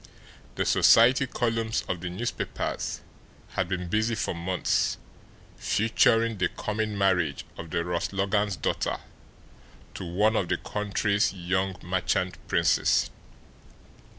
The society columns of the newspapers had been busy for months featuring the coming marriage of the Ross Logans' daughter to one of the country's young merchant princes.